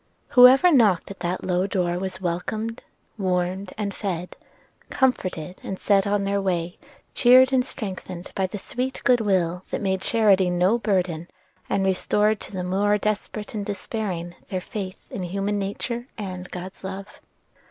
Whoever knocked at that low door was welcomed, warmed, and fed; comforted, and set on their way, cheered and strengthened by the sweet good will that made charity no burden, and restored to the more desperate and despairing their faith in human nature and God's love.